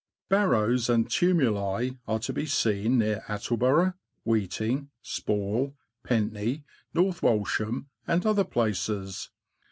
Barrows and tumuli are to be seen near Attle borough, Weeting, Sporle, Pentney, North Walsham, and other places.